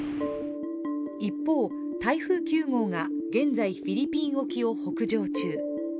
一方、台風９号が、現在フィリピン沖を北上中。